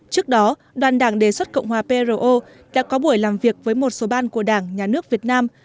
trước đó đoàn đảng đề xuất cộng hòa pro đã có buổi làm việc với một số ban của đảng nhà nước việt nam